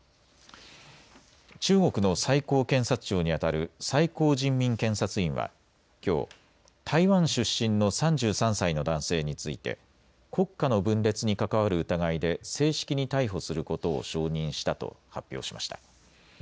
中国の最高検察庁にあたる最高人民検察院はきょう台湾出身の３３歳の男性について国家の分裂に関わる疑いで正式に逮捕することを承認したと発表しました。